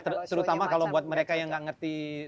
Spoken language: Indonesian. terutama kalau buat mereka yang nggak ngerti